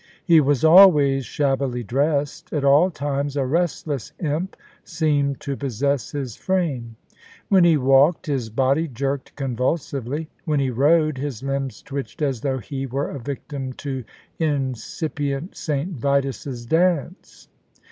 He was always shabbily dressed. At all times a restless imp seemed to possess his frame. When he walked, his body jerked con i vulsively; when he rode, his limbs twitched as though he were a victim to incipient St Vitus's dance.